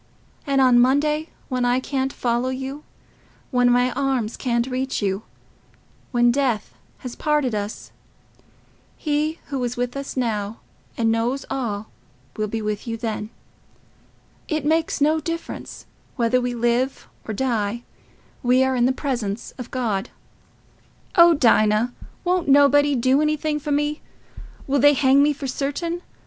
And on Monday, when I can't follow you—when my arms can't reach you—when death has parted us—He who is with us now, and knows all, will be with you then. It makes no difference—whether we live or die, we are in the presence of God." "Oh, Dinah, won't nobody do anything for me? Will they hang me for certain?...